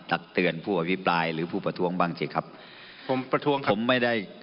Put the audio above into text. ตักเตือนผู้อภิปรายหรือผู้ประท้วงบ้างสิครับผมประท้วงผมไม่ได้